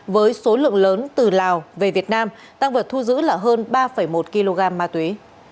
với số lượng lớn từ lào về việt nam tăng vật thu giữ là hơn ba một kg ma túy